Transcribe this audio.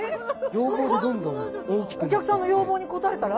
お客さんの要望に応えたら？